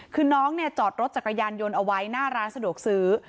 คือน้องเนี่ยจอดรถจักรยานยนต์เอาไว้หน้าร้านสะดวกซื้อ